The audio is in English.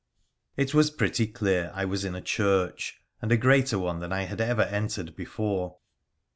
It was pretty clear I was in a church, and a greater one than I had ever entered before.